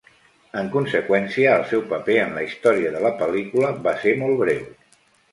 En conseqüència, el seu paper en la història de la pel·lícula va ser molt breu.